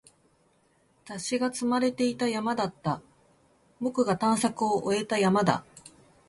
雑誌が積まれていた山だった。僕が探索を終えた山だ。